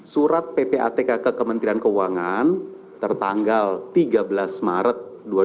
surat ppatk ke kementerian keuangan tertanggal tiga belas maret dua ribu dua puluh